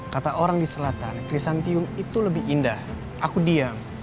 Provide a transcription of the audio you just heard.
kata orang di selatan krisan tiung itu lebih indah aku diam